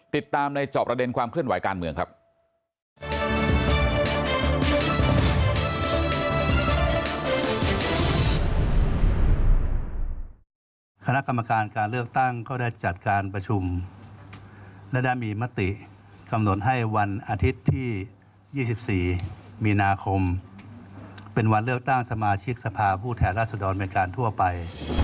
ติดตามในจอบประเด็นความเคลื่อนไหวการเมืองครับ